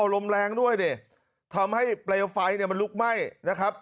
ลมแรงด้วยดิทำให้เปลวไฟเนี่ยมันลุกไหม้นะครับ